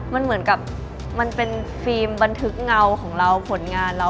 มันเหมือนกับมันเป็นฟิล์มบันทึกเงาของเราผลงานเรา